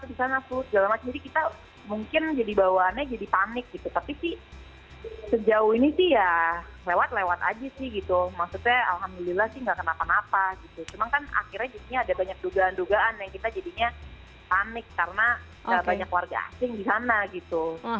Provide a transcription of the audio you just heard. segala macam jadi kita mungkin jadi bawaannya jadi panik gitu tapi sih sejauh ini sih ya lewat lewat aja sih gitu maksudnya alhamdulillah sih nggak kenapa napa gitu cuman kan akhirnya disini ada banyak dugaan dugaan yang kita jadinya panik karena banyak warga asing di sana gitu